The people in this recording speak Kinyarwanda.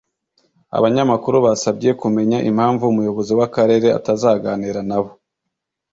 abanyamakuru basabye kumenya impamvu umuyobozi w'akarere atazaganira nabo